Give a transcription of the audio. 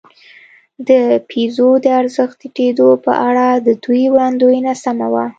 د پیزو د ارزښت ټیټېدو په اړه د دوی وړاندوېنه سمه وه.